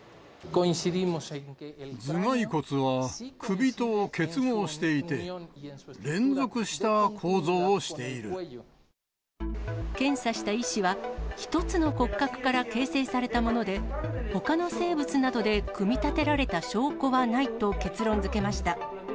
頭蓋骨は首と結合していて、検査した医師は、１つの骨格から形成されたもので、ほかの生物などで組み立てられた証拠はないと結論づけました。